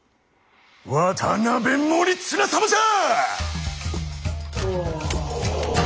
渡辺守綱様じゃ！